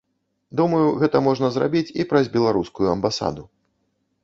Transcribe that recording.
Думаю, гэта можна зрабіць і праз беларускую амбасаду.